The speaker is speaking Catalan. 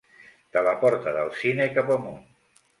De la porta del cine cap amunt.